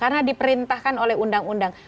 karena diperintahkan oleh undang undang